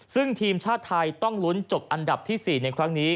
ซึ่งทีมชาติไทยต้องลุ้นจบอันดับที่๔ในครั้งนี้